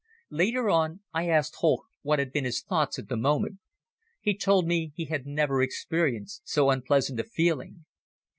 Later on, I asked Holck what had been his thoughts at the moment. He told me he had never experienced so unpleasant a feeling.